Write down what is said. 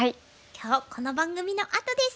今日この番組のあとです。